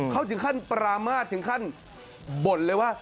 เขาถึงขั้นปรามาทถึงขั้นบ่นเลยว่า